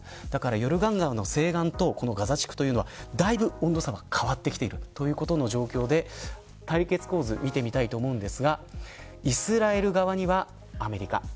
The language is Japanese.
ヨルダン川の西岸とガザ地区というのはだいぶ温度差は変わってきている状況で対決構図を見てみます。